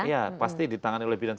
iya pasti ditangani oleh bidan